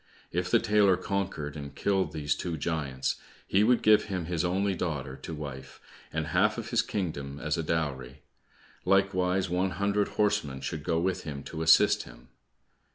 If the tailor conquered and killed these two giants, he would give him his only daughter to wife, and half of his kingdom as a dowry, likewise one hundred horsemen should go with him to assist him.